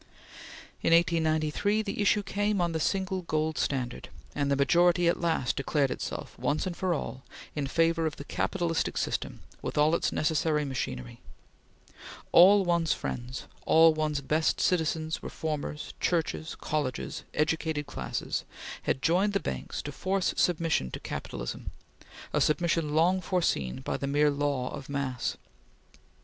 In 1893, the issue came on the single gold standard, and the majority at last declared itself, once for all, in favor of the capitalistic system with all its necessary machinery. All one's friends, all one's best citizens, reformers, churches, colleges, educated classes, had joined the banks to force submission to capitalism; a submission long foreseen by the mere law of mass.